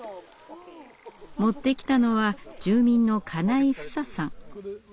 持ってきたのは住民の金井ふささん。